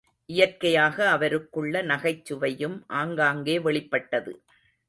இயற்கையாக அவருக்குள்ள நகைச்சுவையும் ஆங்காங்கே வெளிப்பட்டது.